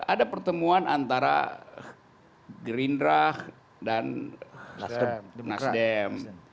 ada pertemuan antara gerindra dan nasdem